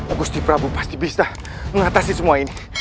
agusti prabu pasti bisa mengatasi semua ini